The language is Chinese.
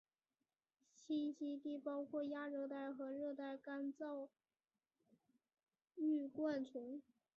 栖息地包括亚热带或热带的干燥疏灌丛。